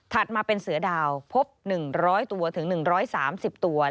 มาเป็นเสือดาวพบ๑๐๐ตัวถึง๑๓๐ตัว